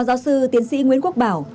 phó giáo sư tiến sĩ nguyễn quốc bảo